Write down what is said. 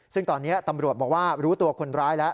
ซึ่งตอนนี้ตำรวจบอกว่ารู้ตัวคนร้ายแล้ว